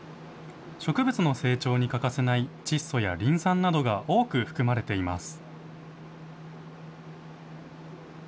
植物の成長に欠かせない窒素やリン酸などが多く含まれています。